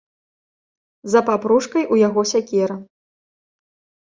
За папружкай у яго сякера.